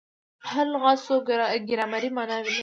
هر لغت څو ګرامري ماناوي لري.